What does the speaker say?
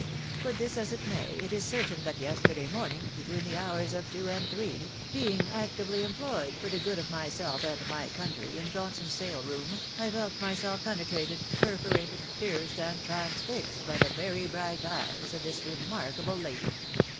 Be this as it may, it is cer tain that yesterday morning, between the hours of two and three, being actively employed for the good of myself and my country in Johnson's sale room, I felt myself penetrated, perforated, pierced, and transfixed by the very bright eyes of this remark able lady